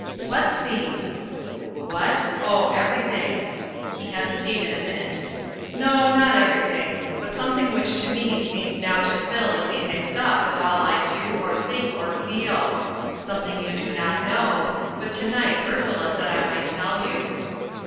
"What seems?" "What? oh, everything." He hesitated a minute. "No, not everything but something which to me seems now to fill and be mixed up with all I do, or think, or feel. Something you do not know but to night Ursula said I might tell you."